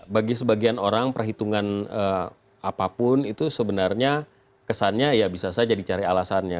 bagi sebagian orang perhitungan apapun itu sebenarnya kesannya ya bisa saja dicari alasannya